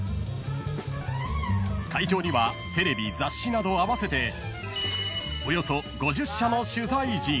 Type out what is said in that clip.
［会場にはテレビ雑誌など合わせておよそ５０社の取材陣］